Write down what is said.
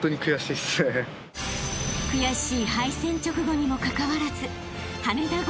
［悔しい敗戦直後にもかかわらず］